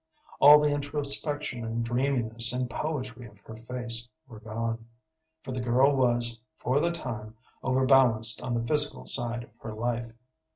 All the introspection and dreaminess and poetry of her face were gone, for the girl was, for the time, overbalanced on the physical side of her life.